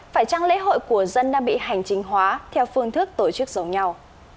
phải chăng lễ hội của dân đang bị hành chính hóa theo phương thức tổ chức giống nhau